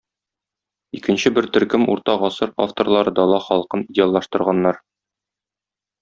Икенче бер төркем урта гасыр авторлары дала халкын идеаллаштырганнар.